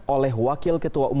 oleh wakil ketua umkm